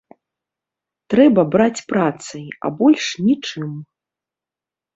Трэба браць працай, а больш нічым.